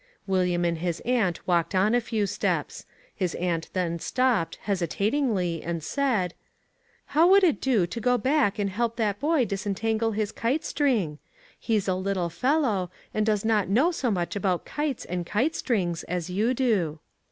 William and his aunt walked on a few steps. His aunt then stopped, hesitatingly, and said, "How would it do to go back and help that boy disentangle his kite string? He's a little fellow, and does not know so much about kites and kite strings as you do."